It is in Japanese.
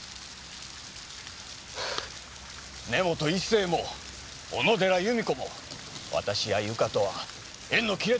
根本一成も小野寺由美子も私やゆかとは縁の切れた人間だ。